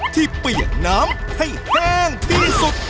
เปียกน้ำให้แห้งที่สุด